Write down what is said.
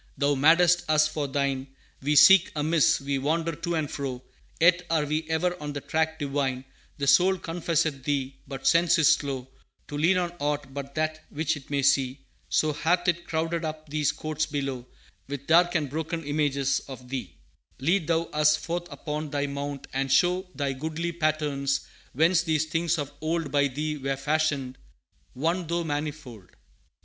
"Thou madest us for Thine; We seek amiss, we wander to and fro; Yet are we ever on the track Divine; The soul confesseth Thee, but sense is slow To lean on aught but that which it may see; So hath it crowded up these Courts below With dark and broken images of Thee; Lead Thou us forth upon Thy Mount, and show Thy goodly patterns, whence these things of old By Thee were fashioned; One though manifold.